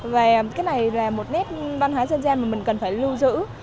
và cái này là một nét văn hóa dân gian mà mình cần phải lưu giữ